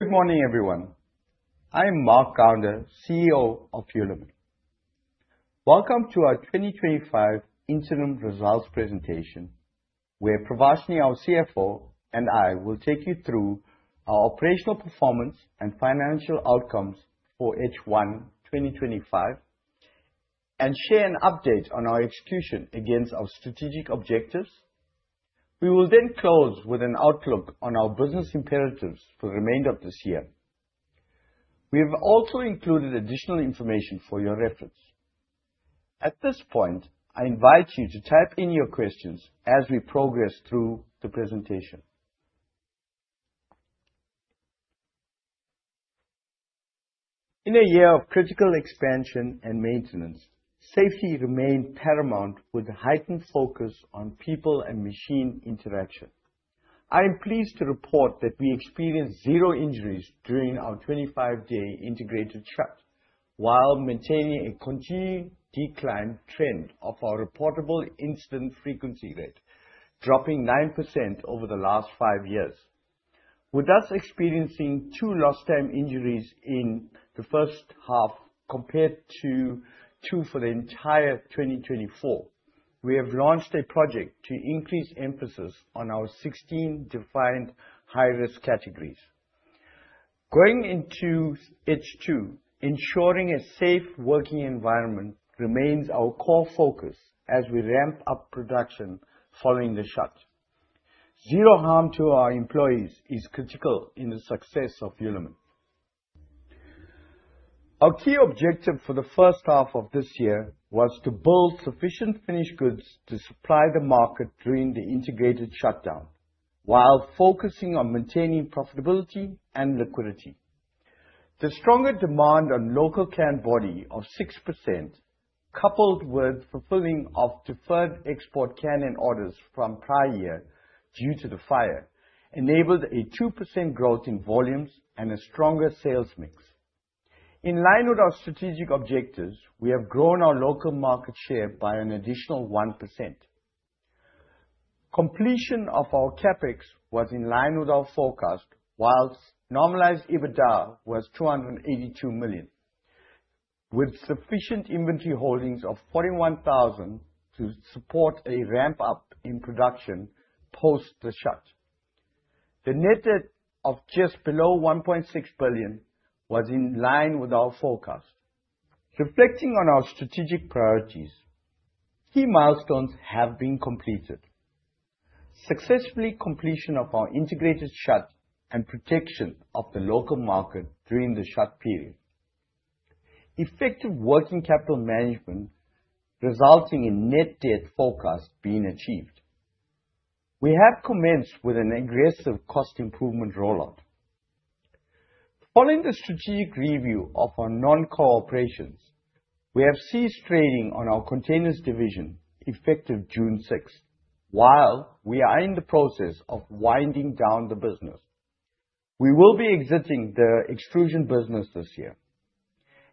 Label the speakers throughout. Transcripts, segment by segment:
Speaker 1: Good morning, everyone. I'm Mark Gounder, CEO of Hulamin. Welcome to our 2025 interim results presentation, where Pravashni, our CFO, and I will take you through our operational performance and financial outcomes for H1 2025 and share an update on our execution against our strategic objectives. We will then close with an outlook on our business imperatives for the remainder of this year. We have also included additional information for your reference. At this point, I invite you to type in your questions as we progress through the presentation. In a year of critical expansion and maintenance, safety remained paramount with heightened focus on people and machine interaction. I am pleased to report that we experienced zero injuries during our 25-day integrated shut while maintaining a continued decline trend of our reportable incident frequency rate, dropping 9% over the last five years. With us experiencing two lost time injuries in the first half compared to two for the entire 2024, we have launched a project to increase emphasis on our 16 defined high-risk categories. Going into H2, ensuring a safe working environment remains our core focus as we ramp up production following the shut. Zero harm to our employees is critical in the success of Hulamin. Our key objective for the first half of this year was to build sufficient finished goods to supply the market during the integrated shutdown, while focusing on maintaining profitability and liquidity. The stronger demand on local can body of 6%, coupled with fulfilling of deferred export can-end orders from prior year due to the fire, enabled a 2% growth in volumes and a stronger sales mix. In line with our strategic objectives, we have grown our local market share by an additional 1%. Completion of our CapEx was in line with our forecast, while normalized EBITDA was 282 million, with sufficient inventory holdings of 41,000 to support a ramp-up in production post the shut. The net debt of just below 1.6 billion was in line with our forecast. Reflecting on our strategic priorities, key milestones have been completed. Successful completion of our integrated shut and protection of the local market during the shut period. Effective working capital management resulting in net debt forecast being achieved. We have commenced with an aggressive cost improvement rollout. Following the strategic review of our non-core operations, we have ceased trading on our containers division effective June 6th. While we are in the process of winding down the business, we will be exiting the extrusion business this year.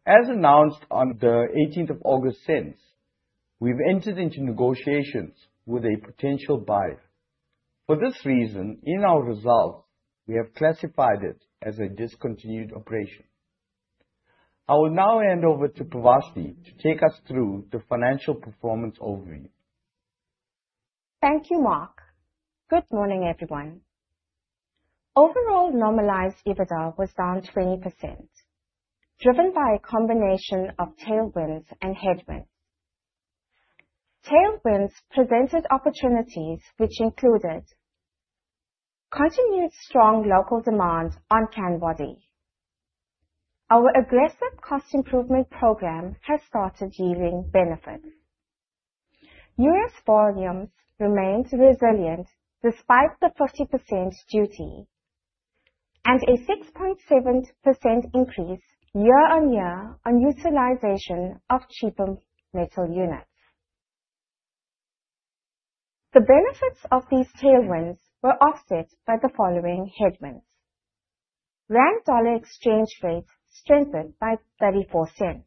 Speaker 1: As announced on the 18th of August since, we've entered into negotiations with a potential buyer. For this reason, in our results, we have classified it as a discontinued operation. I will now hand over to Pravashni to take us through the financial performance overview.
Speaker 2: Thank you, Mark. Good morning, everyone. Overall normalized EBITDA was down 20%, driven by a combination of tailwinds and headwinds. Tailwinds presented opportunities which included continued strong local demand on can body. Our aggressive cost improvement program has started yielding benefits. U.S. volumes remained resilient despite the 50% duty and a 6.7% increase year-on-year on utilization of cheaper metal units. The benefits of these tailwinds were offset by the following headwinds. Rand dollar exchange rate strengthened by 0.34.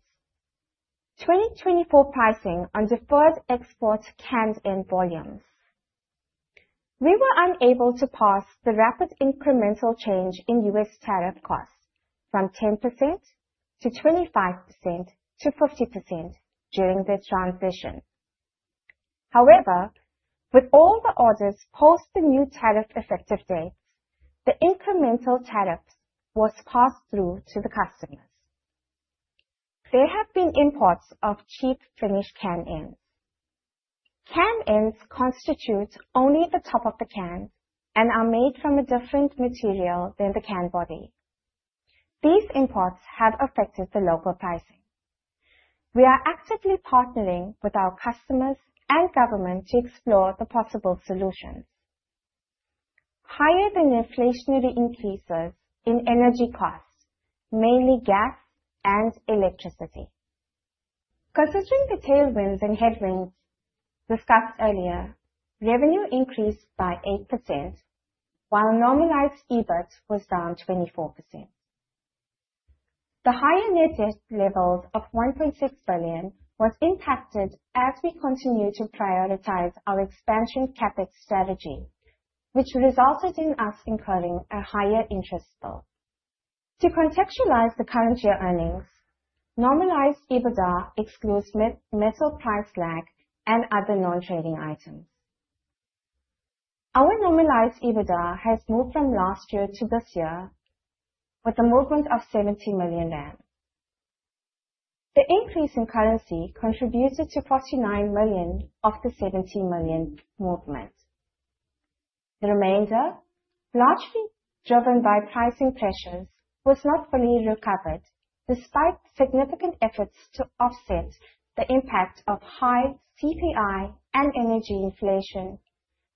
Speaker 2: 2024 pricing on deferred export can-end volumes. We were unable to pass the rapid incremental change in U.S. tariff costs from 10% to 25% to 50% during the transition. However, with all the orders post the new tariff effective date, the incremental tariff was passed through to the customers. There have been imports of cheap finished can ends. Can ends constitute only the top of the can and are made from a different material than the can body. These imports have affected the local pricing. We are actively partnering with our customers and government to explore the possible solutions. Higher than inflationary increases in energy costs, mainly gas and electricity. Considering the tailwinds and headwinds discussed earlier, revenue increased by 8%, while normalized EBIT was down 24%. The higher net debt levels of 1.6 billion was impacted as we continued to prioritize our expansion CapEx strategy, which resulted in us incurring a higher interest bill. To contextualize the current year earnings, normalized EBITDA excludes metal price lag and other non-trading items. Our normalized EBITDA has moved from last year to this year with a movement of 70 million rand. The increase in currency contributed to 49 million of the 70 million movement. The remainder, largely driven by pricing pressures, was not fully recovered despite significant efforts to offset the impact of high CPI and energy inflation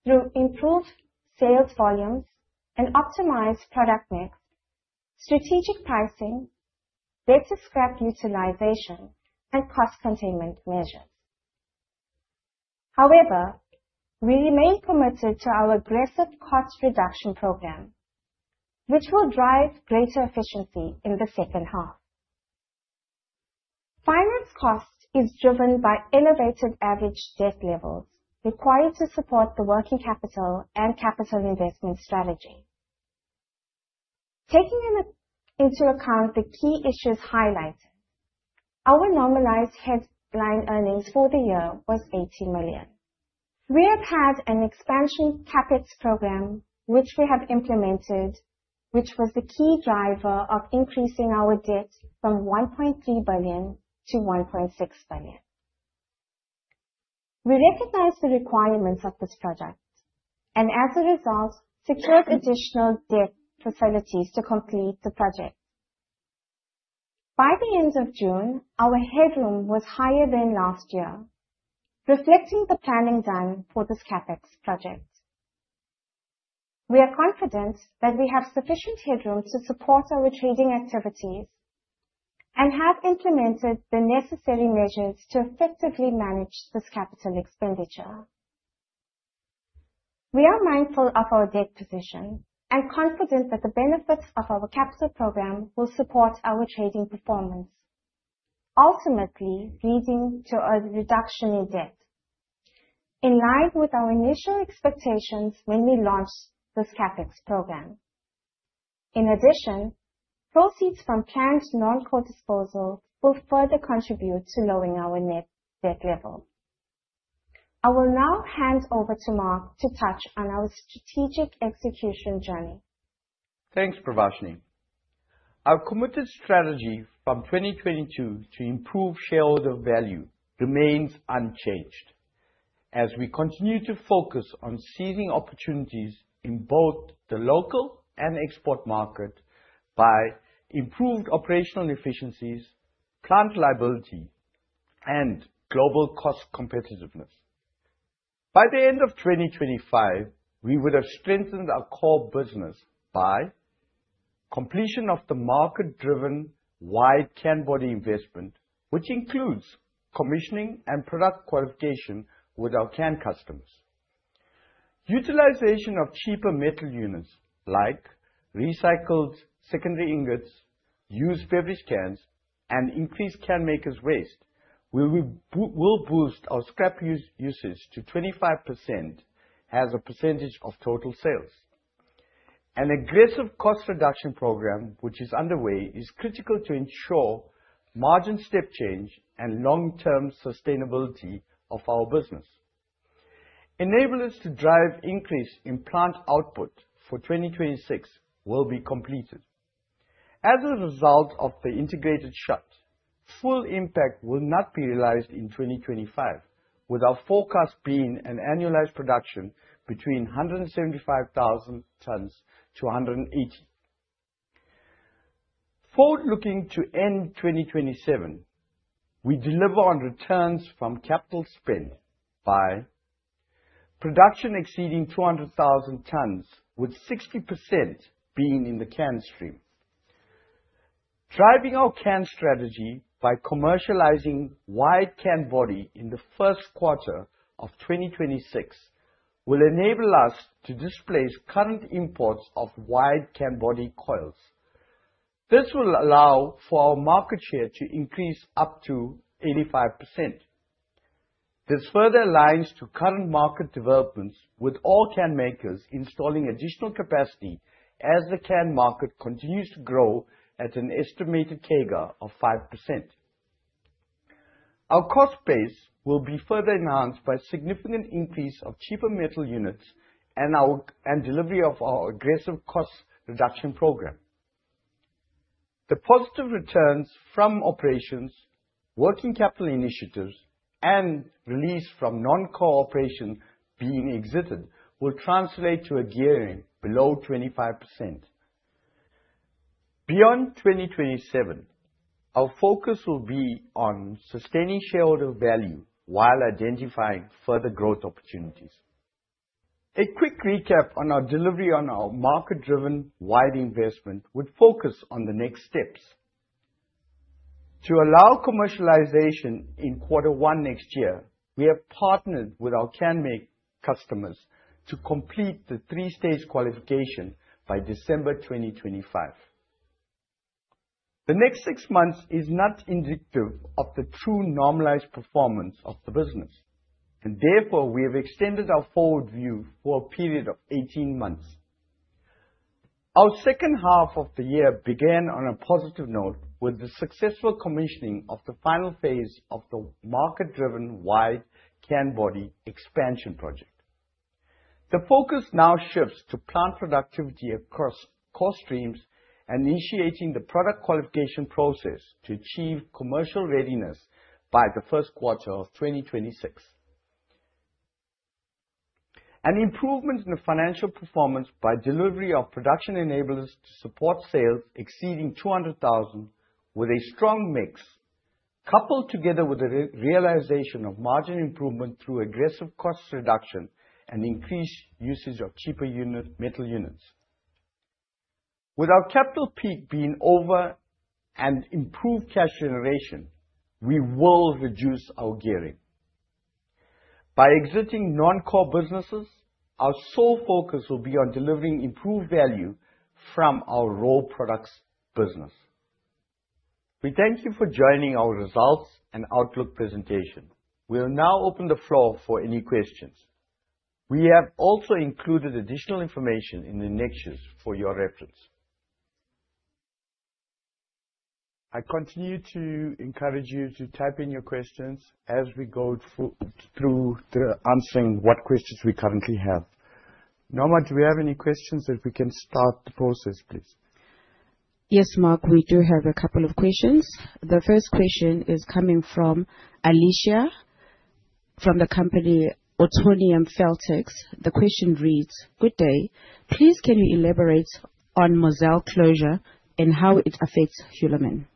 Speaker 2: through improved sales volumes and optimized product mix, strategic pricing, better scrap utilization and cost containment measures. However, we remain committed to our aggressive cost reduction program, which will drive greater efficiency in the second half. Finance cost is driven by elevated average debt levels required to support the working capital and capital investment strategy. Taking into account the key issues highlighted, our normalized headline earnings for the year was 80 million. We have had an expansion CapEx program which we have implemented, which was the key driver of increasing our debt from 1.3 billion to 1.6 billion. We recognize the requirements of this project and as a result secured additional debt facilities to complete the project. By the end of June, our headroom was higher than last year, reflecting the planning done for this CapEx project. We are confident that we have sufficient headroom to support our trading activities and have implemented the necessary measures to effectively manage this capital expenditure. We are mindful of our debt position and confident that the benefits of our capital program will support our trading performance, ultimately leading to a reduction in debt in line with our initial expectations when we launched this CapEx program. In addition, proceeds from planned non-core disposal will further contribute to lowering our net debt level. I will now hand over to Mark to touch on our strategic execution journey.
Speaker 1: Thanks, Pravashni. Our committed strategy from 2022 to improve shareholder value remains unchanged as we continue to focus on seizing opportunities in both the local and export market by improved operational efficiencies, plant reliability and global cost competitiveness. By the end of 2025, we would have strengthened our core business by completion of the market-driven wide can body investment, which includes commissioning and product qualification with our can customers. Utilization of cheaper metal units like recycled secondary ingots, used beverage cans and increased can makers waste will boost our scrap usage to 25% as a percentage of total sales. An aggressive cost reduction program, which is underway, is critical to ensure margin step change and long-term sustainability of our business. Enablers to drive increase in plant output for 2026 will be completed. As a result of the integrated shut, full impact will not be realized in 2025, with our forecast being an annualized production between 175,000 tons-180,000 tons. Forward looking to end 2027, we deliver on returns from capital spend by production exceeding 200,000 tons with 60% being in the can stream. Driving our can strategy by commercializing wide can body in the first quarter of 2026 will enable us to displace current imports of wide can body coils. This will allow for our market share to increase up to 85%. This further aligns to current market developments, with all can makers installing additional capacity as the can market continues to grow at an estimated CAGR of 5%. Our cost base will be further enhanced by significant increase of cheaper metal units and delivery of our aggressive cost reduction program. The positive returns from operations, working capital initiatives, and release from non-core operations being exited will translate to a gearing below 25%. Beyond 2027, our focus will be on sustaining shareholder value while identifying further growth opportunities. A quick recap on our delivery on our market-driven wide investment would focus on the next steps. To allow commercialization in quarter one next year, we have partnered with our canmaker customers to complete the three-stage qualification by December 2025. The next six months is not indicative of the true normalized performance of the business, and therefore we have extended our forward view for a period of 18 months. Our second half of the year began on a positive note with the successful commissioning of the final phase of the market-driven wide can body expansion project. The focus now shifts to plant productivity across core streams and initiating the product qualification process to achieve commercial readiness by the first quarter of 2026. An improvement in the financial performance by delivery of production enables us to support sales exceeding 200,000 tons with a strong mix, coupled together with the realization of margin improvement through aggressive cost reduction and increased usage of cheaper unit metal units. With our CapEx peak being over and improved cash generation, we will reduce our gearing. By exiting non-core businesses, our sole focus will be on delivering improved value from our rolled products business. We thank you for joining our results and outlook presentation. We'll now open the floor for any questions. We have also included additional information in the annexures for your reference. I continue to encourage you to type in your questions as we go through answering what questions we currently have. Noma, do we have any questions that we can start the process, please?
Speaker 3: Yes, Mark, we do have a couple of questions. The first question is coming from Alicia, from the company Autoneum Feltex. The question reads: Good day. Please can you elaborate on Mozal closure and how it affects Hulamin?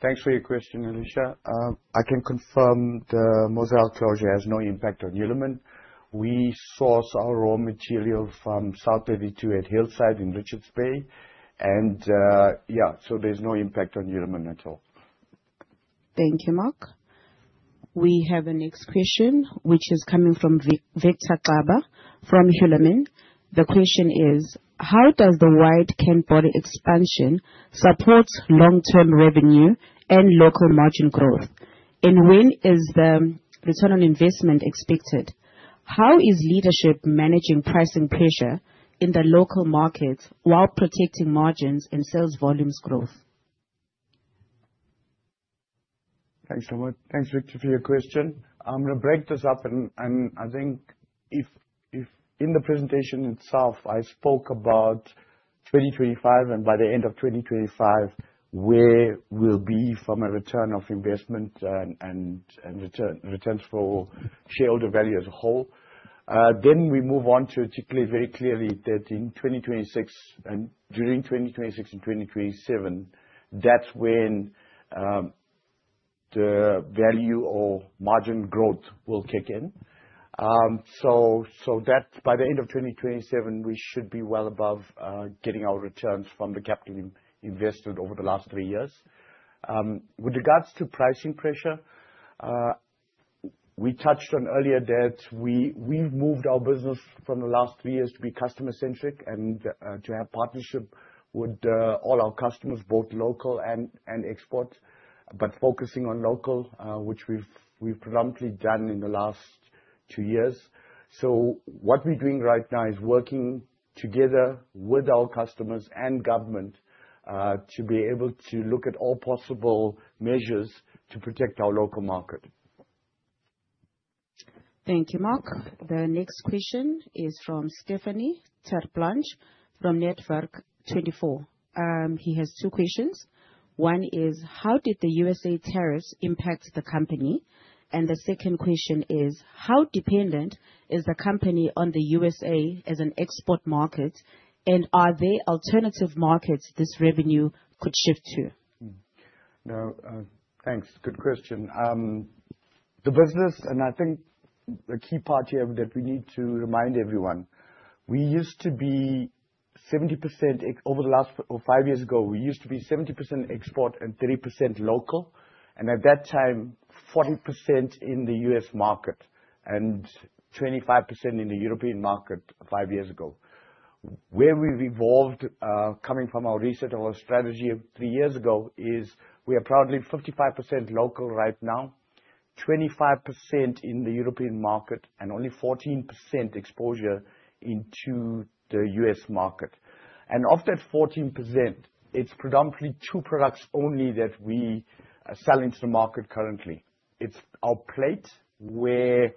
Speaker 1: Thanks for your question, Alicia. I can confirm the Mozal closure has no impact on Hulamin. We source our raw material from South32 at Hillside in Richards Bay and there's no impact on Hulamin at all.
Speaker 3: Thank you, Mark. We have a next question, which is coming from Victor Gaba from Hulamin. The question is: How does the wide can body stock expansion support long-term revenue and local margin growth? And when is the return on investment expected? How is leadership managing pricing pressure in the local market while protecting margins and sales volumes growth?
Speaker 1: Thanks so much. Thanks, Victor, for your question. I'm gonna break this up and I think if in the presentation itself, I spoke about 2025 and by the end of 2025, where we'll be from a return of investment and returns for shareholder value as a whole. We move on to particularly very clearly that in 2026 and during 2026 and 2027, that's when the value or margin growth will kick in. So that by the end of 2027 we should be well above getting our returns from the capital invested over the last three years. With regards to pricing pressure, we touched on earlier that we've moved our business from the last three years to be customer-centric and to have partnership with all our customers, both local and export, but focusing on local, which we've predominantly done in the last two years. What we're doing right now is working together with our customers and government to be able to look at all possible measures to protect our local market.
Speaker 3: Thank you, Mark. The next question is from Stefani Terblanche from Netwerk24. He has two questions. One is: How did the USA tariffs impact the company? The second question is: How dependent is the company on the USA as an export market, and are there alternative markets this revenue could shift to?
Speaker 1: No, thanks. Good question. The business, and I think the key part here that we need to remind everyone, we used to be 70% export and 30% local, and at that time, 40% in the U.S. market and 25% in the European market five years ago. Where we've evolved, coming from our reset of our strategy of three years ago, is we are proudly 55% local right now, 25% in the European market and only 14% exposure into the U.S. market. Of that 14%, it's predominantly two products only that we sell into the market currently. It's our plate where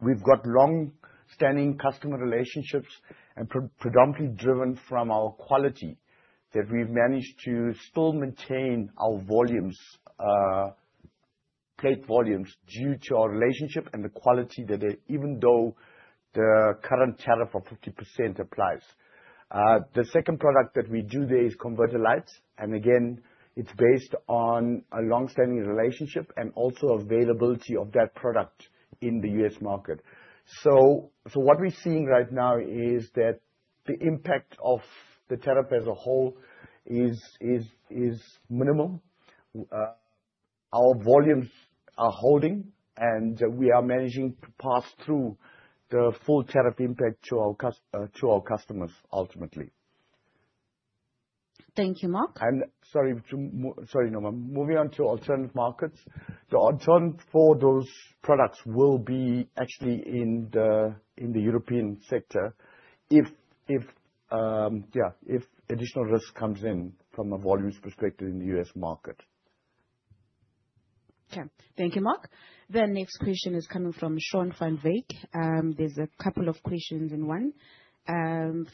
Speaker 1: we've got longstanding customer relationships and predominantly driven from our quality that we've managed to still maintain our volumes, plate volumes due to our relationship and the quality that they even though the current tariff of 50% applies. The second product that we do there is converter foil, and again, it's based on a long-standing relationship and also availability of that product in the U.S. market. What we're seeing right now is that the impact of the tariff as a whole is minimal. Our volumes are holding, and we are managing to pass through the full tariff impact to our customers ultimately.
Speaker 3: Thank you, Mark.
Speaker 1: Sorry, Noma. Moving on to alternative markets. Our return for those products will be actually in the European sector if additional risk comes in from a volumes perspective in the U.S. market.
Speaker 3: Okay. Thank you, Mark. The next question is coming from Sean van Wyk. There's a couple of questions in one.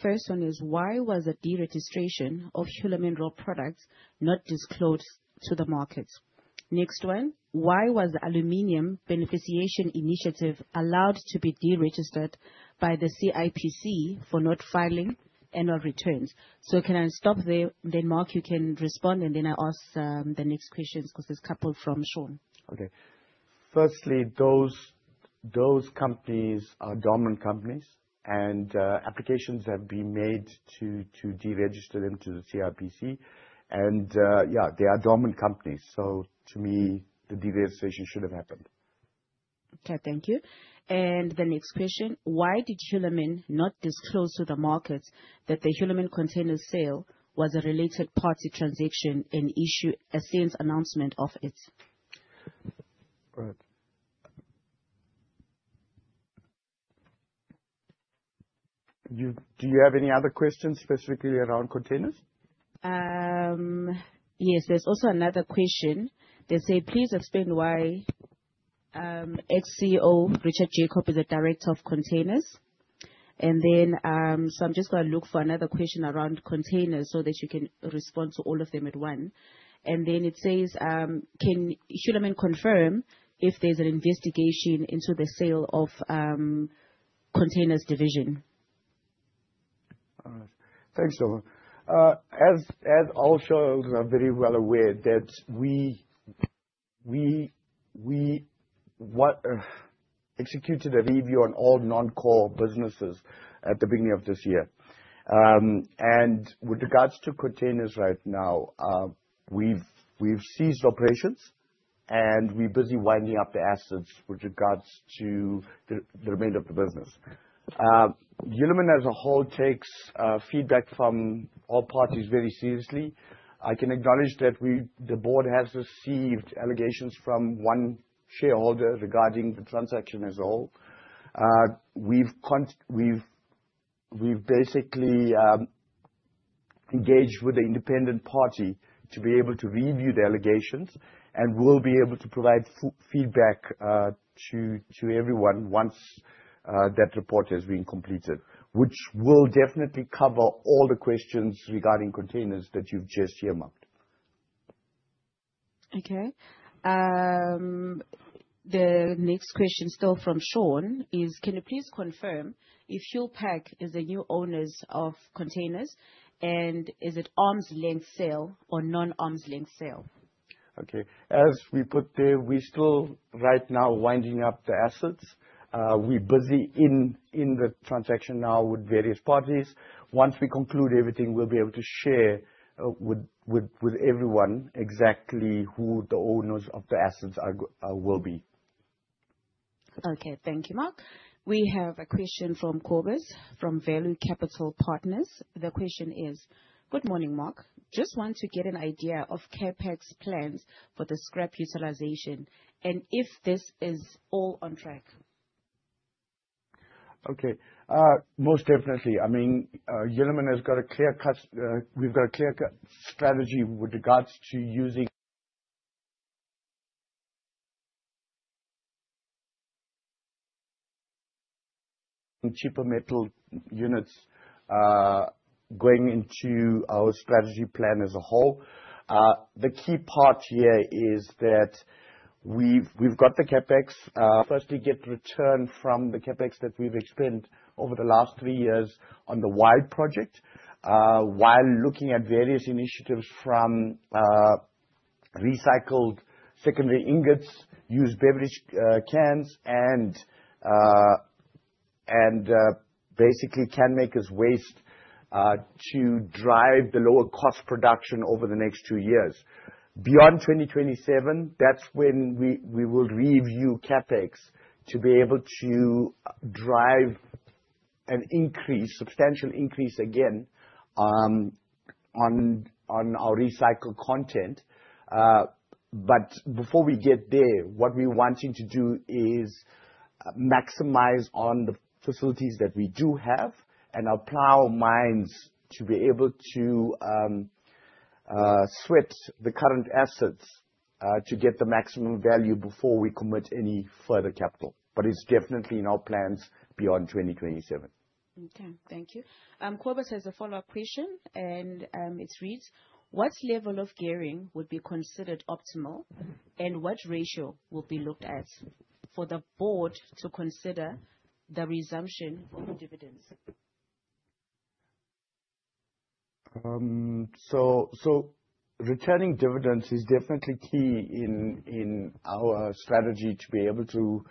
Speaker 3: First one is, why was the deregistration of Hulamin Rolled Products not disclosed to the markets? Next one, why was the Aluminium Beneficiation Initiative allowed to be deregistered by the CIPC for not filing annual returns? Can I stop there, then Mark you can respond, and then I ask the next questions 'cause there's a couple from Sean.
Speaker 1: Okay. Firstly, those companies are dormant companies and applications have been made to deregister them to the CIPC and yeah, they are dormant companies, so to me, the deregistration should have happened.
Speaker 3: Okay, thank you. The next question, why did Hulamin not disclose to the markets that the Hulamin Containers sale was a related party transaction and issue a SENS announcement of it?
Speaker 1: Right. Do you have any other questions specifically around Containers?
Speaker 3: Yes. There's also another question. They say, "Please explain why ex-CEO Richard Jacob is a director of Containers." I'm just gonna look for another question around Containers so that you can respond to all of them at once. It says, "Can Hulamin confirm if there's an investigation into the sale of Containers division?
Speaker 1: All right. Thanks, Noma. As all shareholders are very well aware that we executed a review on all non-core businesses at the beginning of this year. With regards to Containers right now, we've ceased operations and we're busy winding up the assets with regards to the remainder of the business. Hulamin as a whole takes feedback from all parties very seriously. I can acknowledge that the board has received allegations from one shareholder regarding the transaction as a whole. We've basically engaged with an independent party to be able to review the allegations, and we'll be able to provide feedback to everyone once that report has been completed, which will definitely cover all the questions regarding Containers that you've just earmarked.
Speaker 3: Okay. The next question, still from Sean, is, "Can you please confirm if Hulpak is the new owners of Containers, and is it arm's length sale or non-arm's length sale?
Speaker 1: Okay. As we put there, we're still right now winding up the assets. We're busy in the transaction now with various parties. Once we conclude everything, we'll be able to share with everyone exactly who the owners of the assets will be.
Speaker 3: Okay, thank you, Mark. We have a question from Cobus from Value Capital Partners. The question is, "Good morning, Mark. Just want to get an idea of CapEx plans for the scrap utilization and if this is all on track.
Speaker 1: Okay. Most definitely. I mean, Hulamin has got a clear cut, we've got a clear cut strategy with regards to using cheaper metal units, going into our strategy plan as a whole. The key part here is that we've got the CapEx. Firstly get return from the CapEx that we've expended over the last three years on the Wide Project, while looking at various initiatives from recycled secondary ingots, used beverage cans and basically can makers' waste, to drive the lower cost production over the next two years. Beyond 2027, that's when we will review CapEx to be able to drive an increase, substantial increase again, on our recycled content. Before we get there, what we're wanting to do is maximize on the facilities that we do have and apply our minds to be able to sweat the current assets to get the maximum value before we commit any further capital. It's definitely in our plans beyond 2027.
Speaker 3: Okay. Thank you. Cobus has a follow-up question, and it reads: What level of gearing would be considered optimal, and what ratio will be looked at for the board to consider the resumption of dividends?
Speaker 1: Returning dividends is definitely key in our strategy to be able to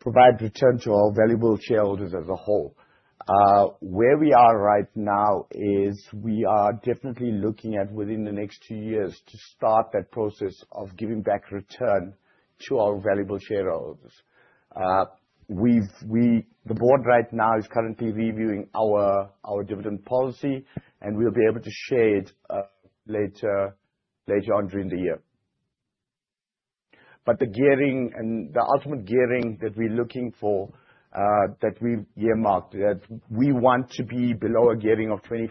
Speaker 1: provide return to our valuable shareholders as a whole. Where we are right now is we are definitely looking at within the next two years to start that process of giving back return to our valuable shareholders. The board right now is currently reviewing our dividend policy, and we'll be able to share it later on during the year. The gearing and the ultimate gearing that we're looking for that we've earmarked, we want to be below a gearing of 25%.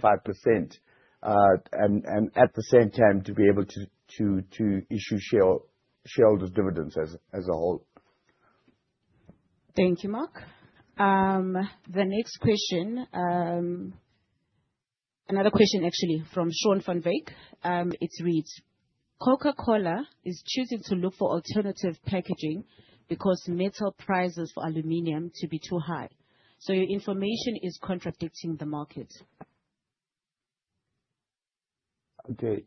Speaker 1: And at the same time, to be able to issue shareholders dividends as a whole.
Speaker 3: Thank you, Mark. Another question actually from Sean van Wyk. Coca-Cola is choosing to look for alternative packaging because metal prices for aluminum to be too high. Your information is contradicting the market.
Speaker 1: Okay.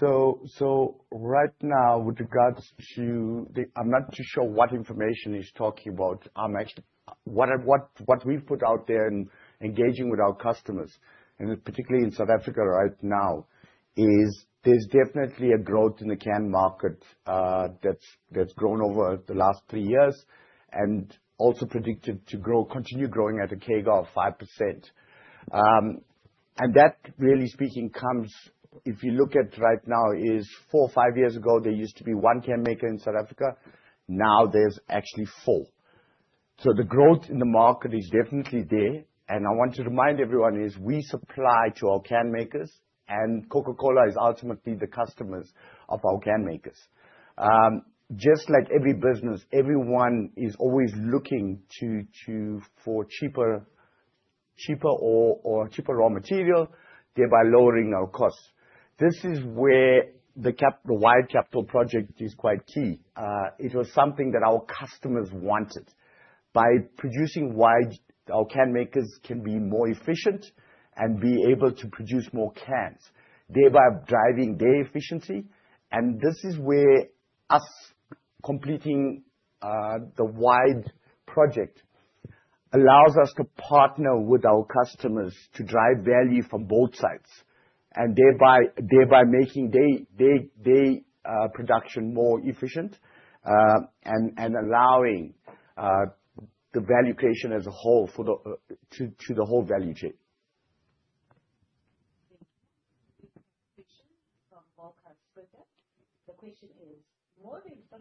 Speaker 1: Right now, with regards to the, I'm not too sure what information he's talking about. Actually, what we've put out there in engaging with our customers, and particularly in South Africa right now, is there's definitely a growth in the can market, that's grown over the last three years and also predicted to grow, continue growing at a CAGR of 5%. That really speaking comes, if you look at right now, is four, five years ago, there used to be one can maker in South Africa. Now there's actually four. The growth in the market is definitely there. I want to remind everyone that we supply to our can makers, and Coca-Cola is ultimately the customers of our can makers. Just like every business, everyone is always looking for cheaper raw material, thereby lowering our costs. This is where the wide capital project is quite key. It was something that our customers wanted. By producing wide, our can makers can be more efficient and be able to produce more cans, thereby driving their efficiency. This is where us completing the Wide Project allows us to partner with our customers to drive value from both sides, and thereby making their production more efficient, and allowing the valuation as a whole to the whole value chain.
Speaker 3: Thank you. The next question from Volker Scooter. The question is, more than 50%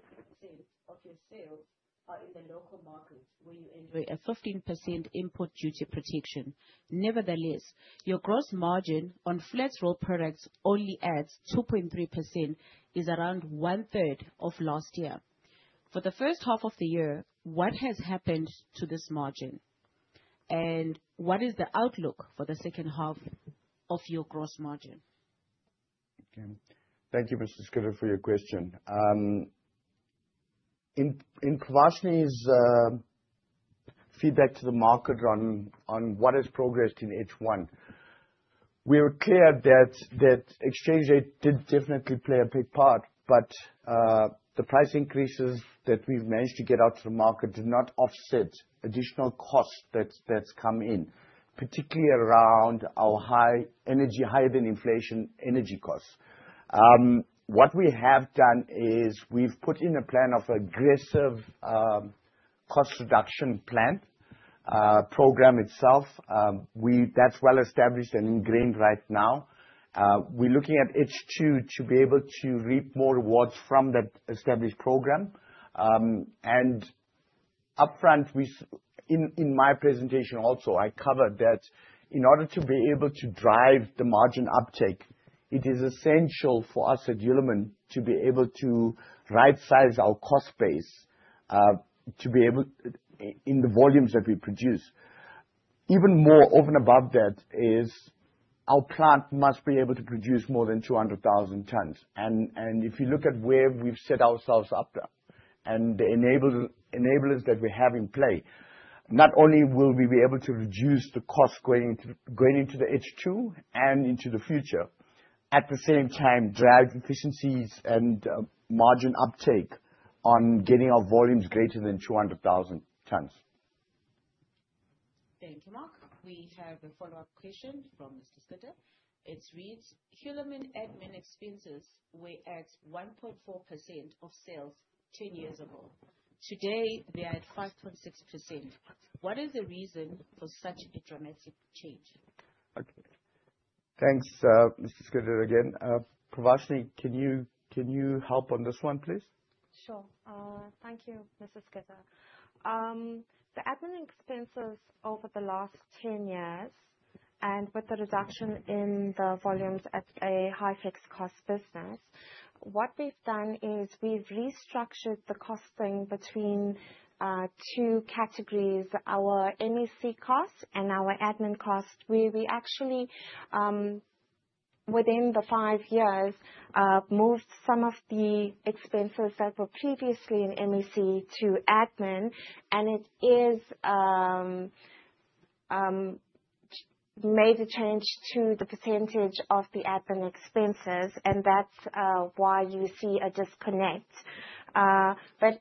Speaker 3: of your sales are in the local market, where you enjoy a 15% import duty protection. Nevertheless, your gross margin on flat rolled products only at 2.3%, which is around 1/3 of last year. For the first half of the year, what has happened to this margin, and what is the outlook for the second half of your gross margin?
Speaker 1: Okay. Thank you, Mr. Scooter, for your question. In Pravashni's feedback to the market on what has progressed in H1, we are clear that exchange rate did definitely play a big part, but the price increases that we've managed to get out to the market do not offset additional costs that's come in, particularly around our high energy, higher than inflation energy costs. What we have done is we've put in a plan of aggressive cost reduction plan program itself. That's well established and ingrained right now. We're looking at H2 to be able to reap more rewards from that established program. In my presentation also, I covered that in order to be able to drive the margin uptake, it is essential for us at Hulamin to be able to right-size our cost base to the volumes that we produce. Even more over and above that, our plant must be able to produce more than 200,000 tons. If you look at where we've set ourselves up to and the enablers that we have in play, not only will we be able to reduce the cost going into the H2 and into the future, at the same time drive efficiencies and margin uptake on getting our volumes greater than 200,000 tons.
Speaker 3: Thank you, Mark. We have a follow-up question from Mr. Scooter. It reads: Hulamin admin expenses were at 1.4% of sales 10 years ago. Today, they are at 5.6%. What is the reason for such a dramatic change?
Speaker 1: Okay. Thanks, Mr. Scooter again. Pravashni, can you help on this one, please?
Speaker 2: Sure. Thank you, Mr. Scooter. The admin expenses over the last 10 years and with the reduction in the volumes at a high fixed cost business, what we've done is we've restructured the costing between two categories, our MEC costs and our admin costs, where we actually within the five years moved some of the expenses that were previously in MEC to admin, and it is made a change to the percentage of the admin expenses, and that's why you see a disconnect.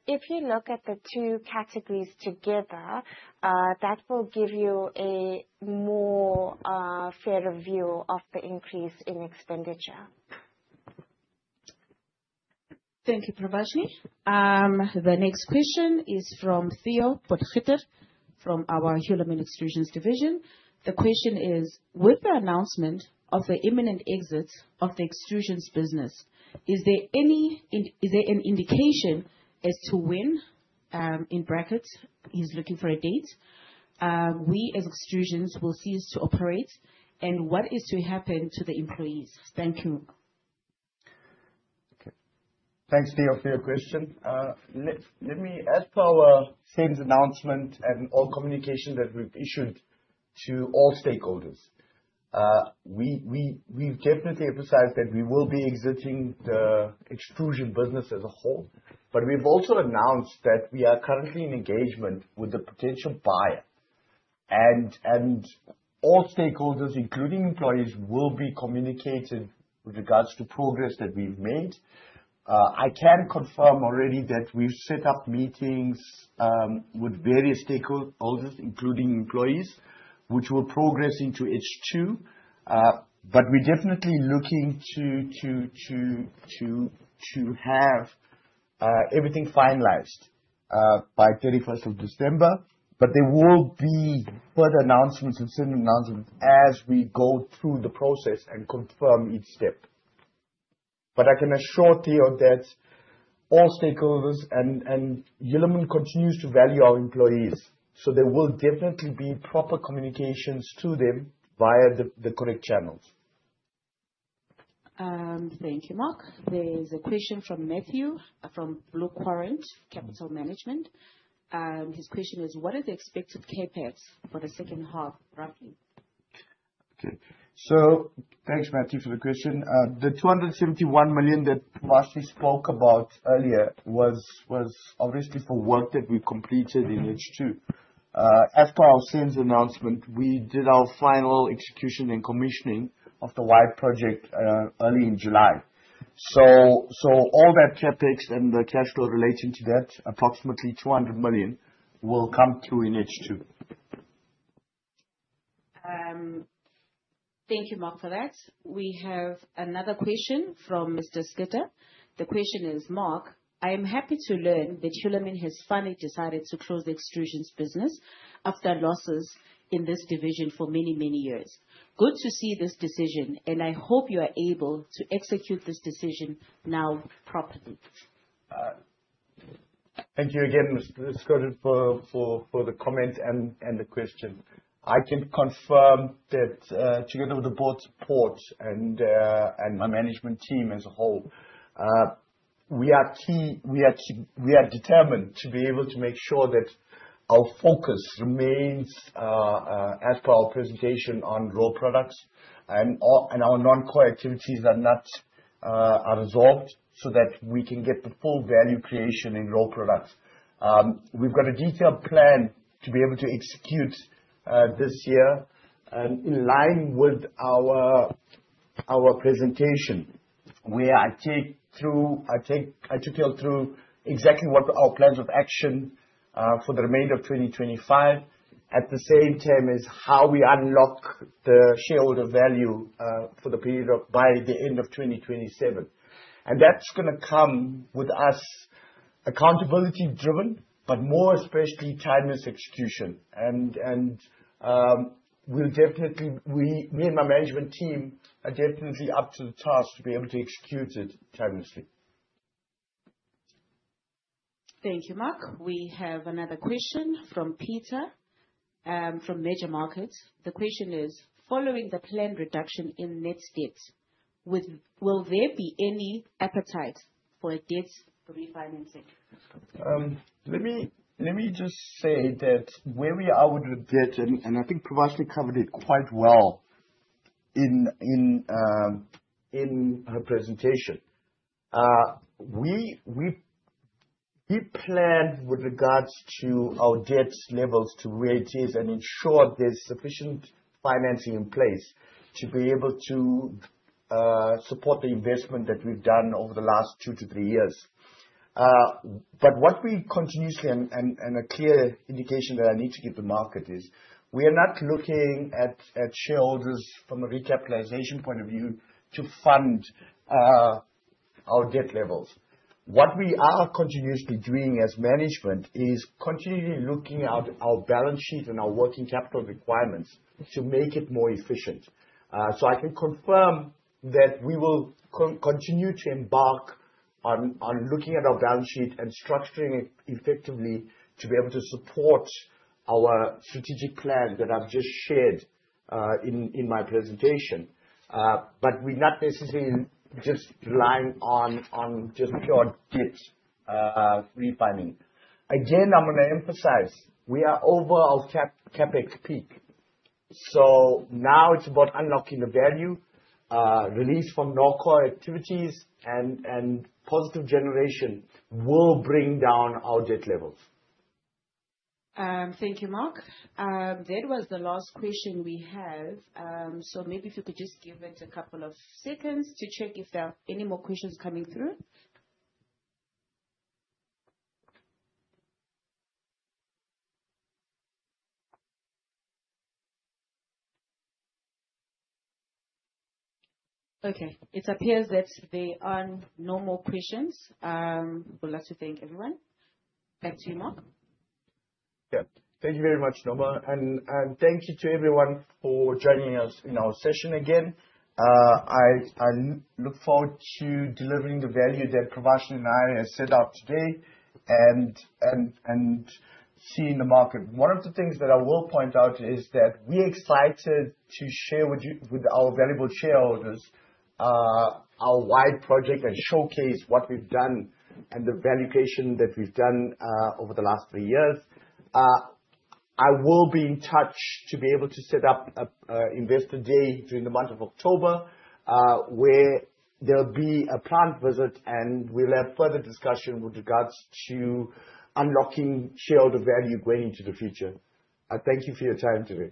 Speaker 2: If you look at the two categories together, that will give you a more fairer view of the increase in expenditure.
Speaker 3: Thank you, Pravashni. The next question is from Theo Potgieter from our Hulamin Extrusions division. The question is: With the announcement of the imminent exit of the Extrusions business, is there an indication as to when, in brackets, he's looking for a date, we, as Extrusions, will cease to operate, and what is to happen to the employees? Thank you.
Speaker 1: Okay. Thanks, Theo, for your question. As per our SENS announcement and all communication that we've issued to all stakeholders, we've definitely emphasized that we will be exiting the extrusion business as a whole, but we've also announced that we are currently in engagement with a potential buyer. All stakeholders, including employees, will be communicated with regards to progress that we've made. I can confirm already that we've set up meetings with various stakeholders, including employees, which will progress into H2. We're definitely looking to have everything finalized by 31st of December. There will be further announcements and certain announcements as we go through the process and confirm each step. I can assure Theo that all stakeholders, and Hulamin continues to value our employees, so there will definitely be proper communications to them via the correct channels.
Speaker 3: Thank you, Mark. There is a question from Matthew, from Blue Current Capital Management. His question is: What are the expected CapEx for the second half, roughly?
Speaker 1: Okay, thanks Matthew for the question. The 271 million that Pravashni spoke about earlier was obviously for work that we completed in H2. As per our SENS announcement, we did our final execution and commissioning of the Wide Project early in July. All that CapEx and the cash flow relating to that, approximately 200 million, will come through in H2.
Speaker 3: Thank you, Mark, for that. We have another question from Mr. Scooter. The question is: Mark, I am happy to learn that Hulamin has finally decided to close the Extrusions business after losses in this division for many, many years. Good to see this decision, and I hope you are able to execute this decision now properly.
Speaker 1: Thank you again, Mr. Scooter, for the comment and the question. I can confirm that, together with the board's support and my management team as a whole, we are determined to be able to make sure that our focus remains, as per our presentation, on rolled products and our non-core activities are resolved, so that we can get the full value creation in rolled products. We've got a detailed plan to be able to execute this year in line with our presentation, where I detailed through exactly what our plans of action for the remainder of 2025, at the same time as how we unlock the shareholder value for the period of by the end of 2027. That's gonna come with us accountability driven, but more especially timely execution. We, me and my management team are definitely up to the task to be able to execute it timely.
Speaker 3: Thank you, Mark. We have another question from Peter from Metamarkets. The question is: Following the planned reduction in net debt, will there be any appetite for a debt refinancing?
Speaker 1: Let me just say that where we are with debt, and I think Pravashni covered it quite well in her presentation, we plan with regards to our debt levels to where it is and ensure there's sufficient financing in place to be able to support the investment that we've done over the last two to three years. What we continuously and a clear indication that I need to give the market is, we are not looking at shareholders from a recapitalization point of view to fund our debt levels. What we are continuously doing as management is continually looking at our balance sheet and our working capital requirements to make it more efficient. I can confirm that we will continue to embark on looking at our balance sheet and structuring it effectively to be able to support our strategic plan that I've just shared in my presentation. We're not necessarily just relying on just pure debt refinancing. Again, I'm gonna emphasize, we are over our CapEx peak. Now it's about unlocking the value release from non-core activities and positive generation will bring down our debt levels.
Speaker 3: Thank you, Mark. That was the last question we have. Maybe if you could just give it a couple of seconds to check if there are any more questions coming through. Okay. It appears that there are no more questions. We'd like to thank everyone. Back to you, Mark.
Speaker 1: Yeah. Thank you very much, Noma. Thank you to everyone for joining us in our session again. I look forward to delivering the value that Pravashni and I have set out today and seeing the market. One of the things that I will point out is that we're excited to share with you, with our valuable shareholders, our Wide Project and showcase what we've done and the valuation that we've done over the last three years. I will be in touch to be able to set up an Investor Day during the month of October, where there'll be a plant visit, and we'll have further discussion with regards to unlocking shareholder value going into the future. I thank you for your time today.